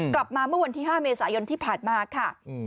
กลับมาเมื่อวันที่๕เมษายนที่ผ่านมาค่ะ